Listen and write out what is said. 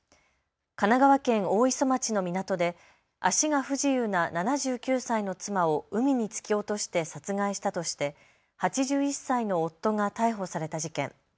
神奈川県大磯町の港で足が不自由な７９歳の妻を海に突き落として殺害したとして８１歳の夫が逮捕された事件。